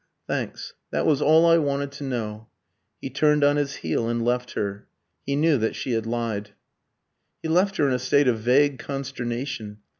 "Thanks. That was all I wanted to know." He turned on his heel and left her. He knew that she had lied. He left her in a state of vague consternation.